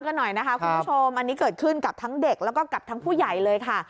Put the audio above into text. กันหน่อยนะคะคุณผู้ชมอันนี้เกิดขึ้นกับทั้งเด็กแล้วก็กับทั้งผู้ใหญ่เลยค่ะ